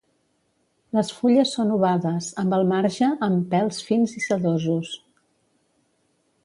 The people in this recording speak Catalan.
Les fulles són ovades, amb el marge amb pèls fins i sedosos.